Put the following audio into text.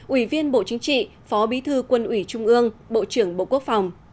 ủy viên bộ chính trị phó bí thư quân ủy trung ương bộ trưởng bộ quốc phòng